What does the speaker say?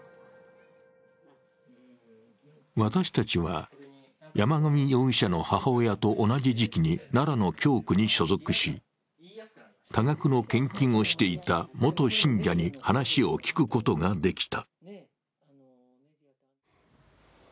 私たちは山上容疑者の母親と同じ時期に奈良の教区に所属し多額の献金をしていた元信者に話を聞くことができた。